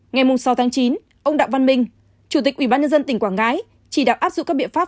ngày sáu chín ông đạo văn minh chủ tịch ubnd tỉnh quảng ngãi chỉ đạo áp dụng các biện pháp